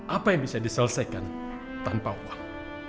apa yang bisa diselesaikan tanpa uang